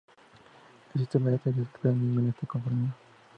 Existen varias teorías, pero ninguna está confirmada.